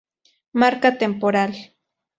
Marca temporal